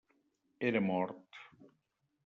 Era mort.